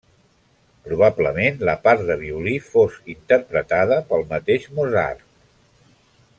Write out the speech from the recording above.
Probablement, la part de violí fos interpretada pel mateix Mozart.